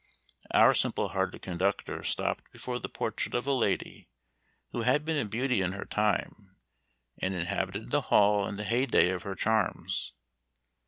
Our simple hearted conductor stopped before the portrait of a lady, who had been a beauty in her time, and inhabited the hall in the heyday of her charms.